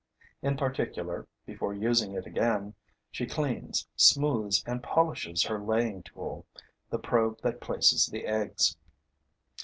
In particular, before using it again, she cleans, smoothes and polishes her laying tool, the probe that places the eggs.